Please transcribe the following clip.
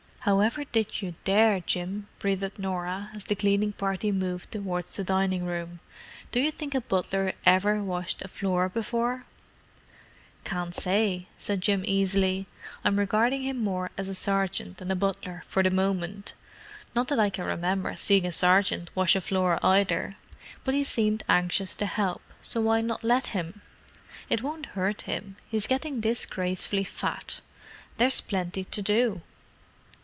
"However did you dare, Jim?" breathed Norah, as the cleaning party moved towards the dining room. "Do you think a butler ever washed a floor before?" "Can't say," said Jim easily. "I'm regarding him more as a sergeant than a butler, for the moment—not that I can remember seeing a sergeant wash a floor, either. But he seemed anxious to help, so why not let him? It won't hurt him; he's getting disgracefully fat. And there's plenty to do."